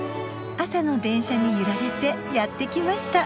朝の電車に揺られてやって来ました。